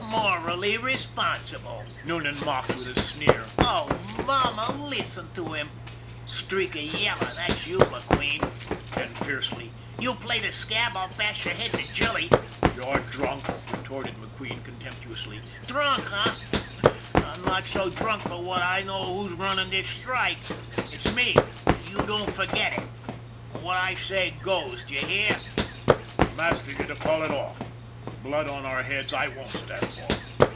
" Morally responsible !" Noonan mocked with a sneer. " Oh, mamma, listen to him ! Streak of yellow, that's you, McQueen." Then fiercely :" You play the scab and I'll bash your head to jelly." " You're drunk," retorted McQueen contemptu ously. " Drunk, eh ? I'm not so drunk but that I know who's running this strike. It's me, and don't you foget it! And what I says goes, d'ye hear? "" I'm asking you to call it off. Blood on our heads I won't stand for.